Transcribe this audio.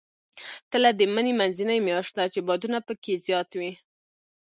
تله د مني منځنۍ میاشت ده، چې بادونه پکې زیات وي.